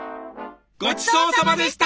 ごちそうさまでした！